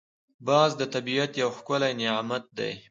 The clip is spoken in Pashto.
باز د طبیعت یو ښکلی نعمت دی